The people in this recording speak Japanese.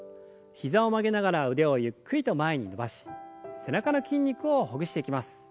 膝を曲げながら腕をゆっくりと前に伸ばし背中の筋肉をほぐしていきます。